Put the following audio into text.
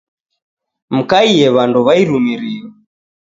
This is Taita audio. Mkaie w'andu w'a irumirio